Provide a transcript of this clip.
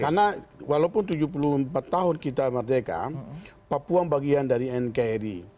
karena walaupun tujuh puluh empat tahun kita merdeka papua bagian dari nkri